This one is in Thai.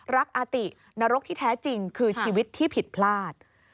อาตินรกที่แท้จริงคือชีวิตที่ผิดพลาด